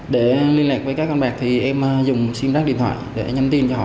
để liên lạc với các con bạc thì em dùng sim rác điện thoại để nhắn tin cho họ